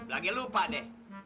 lagi lupa deh